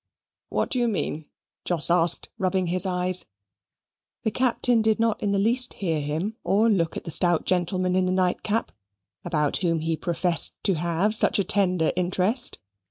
"What do you mean?" Jos asked, rubbing his eyes. The Captain did not in the least hear him or look at the stout gentleman in the nightcap, about whom he professed to have such a tender interest.